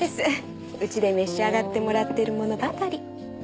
うちで召し上がってもらってるものばかり。